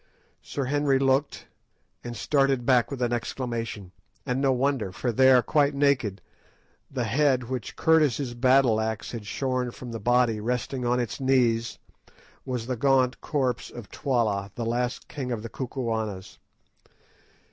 Sir Henry looked, and started back with an exclamation; and no wonder, for there, quite naked, the head which Curtis' battle axe had shorn from the body resting on its knees, was the gaunt corpse of Twala, the last king of the Kukuanas.